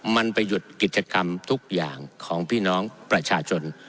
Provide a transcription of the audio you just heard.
มันไปหยุดกิจกรรมทุกอย่างของพี่น้องประชาชน